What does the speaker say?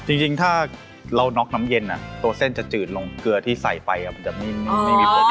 จริงถ้าเราน็อกน้ำเย็นตัวเส้นจะจืดลงเกลือที่ใส่ไปมันจะนิ่มไม่มีผล